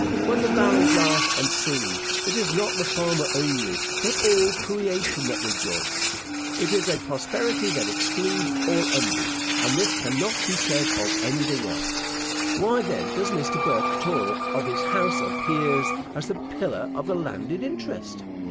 When the valleys laugh and sing, it is not the farmer only, but all creation that rejoice. It is a prosperity that excludes all envy; and this cannot be said of anything else. Why then, does Mr. Burke talk of his house of peers as the pillar of the landed interest?